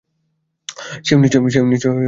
সেও নিশ্চয়ই একই কথা লিখেছে।